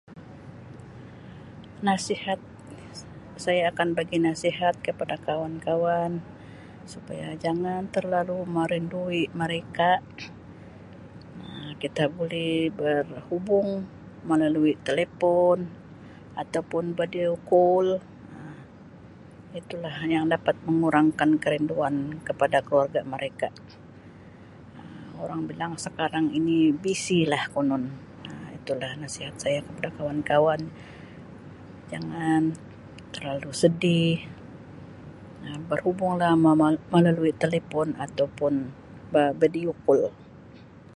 "Nasihat saya akan bagi nasihat kepada kawan- kawan supaya jangan terlalu merindui mereka Um kita boleh berhubung melalui telefon atau pun ""video call"" Um itu lah yang dapat mengurangkan kerinduan kepada keluarga mereka Um orang bilang sekarang ini ""VC"" lah konon itu lah nasihat saya kepada kawan-kawan jangan terlalu sedih [Um]berhubunglah [unintelligible] melalui telefon atau pun ""Video Call"". "